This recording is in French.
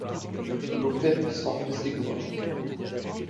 Lopèpe s’en faisait gloire!